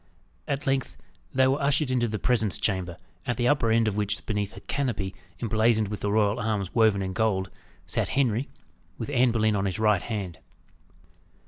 At length, they were ushered into the presence chamber, at the upper end of which beneath a canopy emblazoned with the royal arms woven in gold, sat Henry, with Anne Boleyn on his right hand.